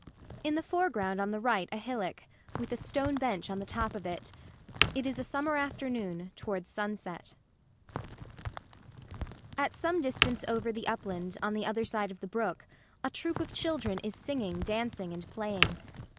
In the foreground on the right a hillock, with a stone bench on the top of it. It is a summer afternoon, towards sunset. [At some distance over the upland, on the other side of the brook, a troop of children is singing, dancing, and playing.